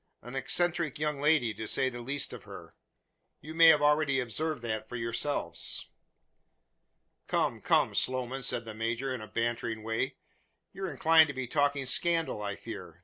An eccentric young lady to say the least of her. You may have already observed that for yourselves." "Come, come, Sloman!" said the major, in a bantering way; "you are inclined to be talking scandal, I fear.